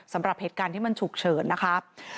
สำหรับเหตุการณ์ที่มันฉุกเฉินนะคะ